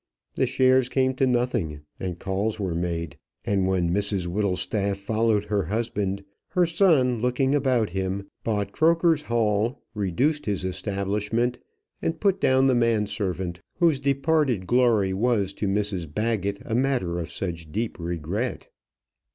The shares came to nothing, and calls were made; and when Mrs Whittlestaff followed her husband, her son, looking about him, bought Croker's Hall, reduced his establishment, and put down the man servant whose departed glory was to Mrs Baggett a matter of such deep regret.